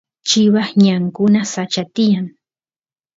chivas ñankuna sacha tiyan